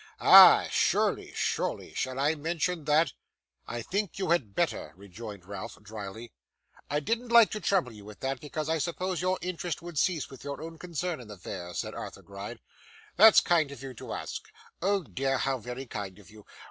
Ay, surely, surely. Shall I mention that?' 'I think you had better,' rejoined Ralph, drily. 'I didn't like to trouble you with that, because I supposed your interest would cease with your own concern in the affair,' said Arthur Gride. 'That's kind of you to ask. Oh dear, how very kind of you!